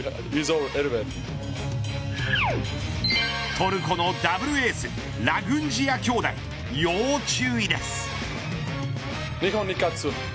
トルコのダブルエースラグンジヤ兄弟要注意です。